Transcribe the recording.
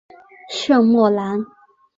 圣莫兰。